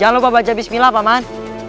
jangan lupa baca bismillah paman